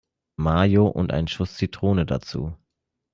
Mayo und ein Schuss Zitrone dazu.